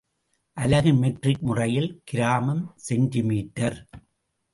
அலகு மெட்ரிக் முறையில் கிராம் செமீ².